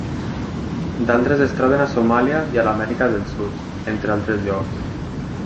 D'altres es troben a Somàlia i a l'Amèrica del Sud, entre altres llocs.